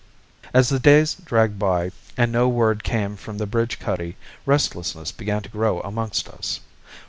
As the days dragged by and no word came from the bridge cuddy, restlessness began to grow amongst us.